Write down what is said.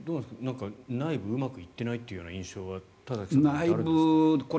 内部がうまくいっていないという印象は田崎さんはあるんですか？